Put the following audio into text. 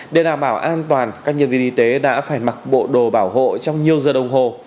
để đảm bảo an toàn các nhân viên y tế đã phải mặc bộ đồ bảo hộ trong nhiều giờ đồng hồ